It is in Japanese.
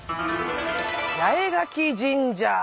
八重垣神社。